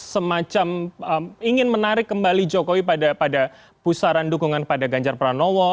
semacam ingin menarik kembali jokowi pada pusaran dukungan pada ganjar pranowo